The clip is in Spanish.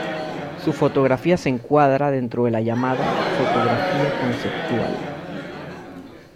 Su fotografía se encuadra dentro de la llamada, "fotografía conceptual".